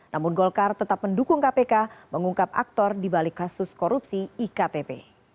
namun golkar tetap mendukung kpk mengungkap aktor dibalik kasus korupsi iktp